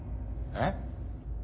えっ？